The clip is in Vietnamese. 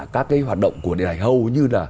các hoạt động của điện ảnh hầu như là